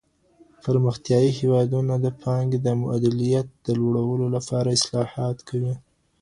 پرمختيايي هېوادونه د پانګي د مؤلدېت د لوړولو لپاره اصلاحات کوي.